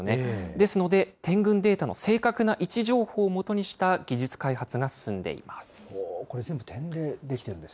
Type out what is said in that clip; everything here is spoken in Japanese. ですので、点群データの正確な位置情報を基にした技術開発が進んでいます。